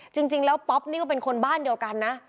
จริงแล้วป๊อปนี่ก็เป็นคนบ้านเดียวกันนะ